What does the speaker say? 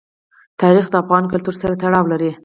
تاریخ د افغان کلتور سره تړاو لري.